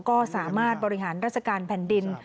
ก็สามารถบริหารราชการแผ่นดิน